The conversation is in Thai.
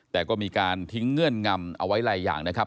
แต่ก็มีการทิ้งเงื่อนงำเอาไว้หลายอย่างนะครับ